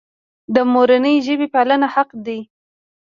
د مورنۍ ژبې پالنه حق دی.